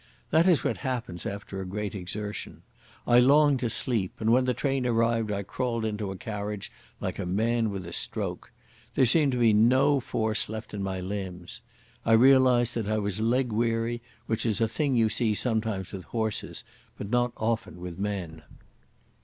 That is what happens after a great exertion. I longed to sleep, and when the train arrived I crawled into a carriage like a man with a stroke. There seemed to be no force left in my limbs. I realised that I was leg weary, which is a thing you see sometimes with horses, but not often with men.